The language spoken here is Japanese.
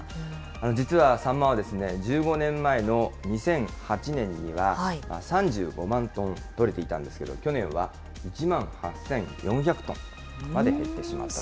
実はサンマは、１５年前の２００８年には３５万トン取れていたんですけど、去年は１万８４００トンまで減ってしまったと。